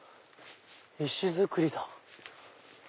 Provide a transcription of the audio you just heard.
石造りだ。